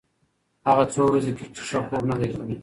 هغه څو ورځې کېږي چې ښه خوب نه دی کړی.